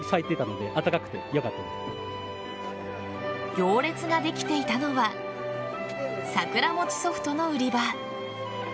行列ができていたのはさくら餅ソフトの売り場。